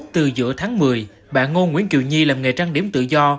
từ giữa tháng một mươi bạn ngô nguyễn kiều nhi làm nghề trang điểm tự do